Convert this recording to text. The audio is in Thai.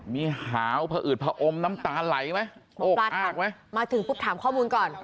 มีหาวพออืดผอมน้ำตาไหลไหมปลาหักไหมมาถึงปุ๊บถามข้อมูลก่อน